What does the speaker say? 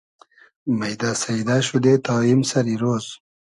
مݷدۂ سݷدۂ شودې تا ایم سئری رۉز